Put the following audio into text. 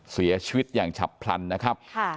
เสียชีวิตอย่างฉับพลันนะครับ